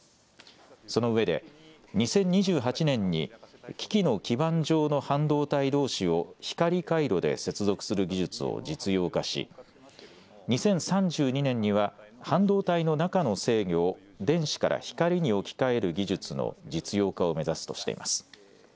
そのうえで２０２８年に機器の基板上の半導体どうしを光回路で接続する技術を実用化し２０３２年には半導体の中の制御を電子から光に置き換える技術の実用化を目指すとしています。